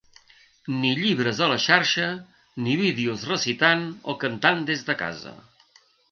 Ni llibres a la xarxa, ni vídeos recitant o cantant des de casa.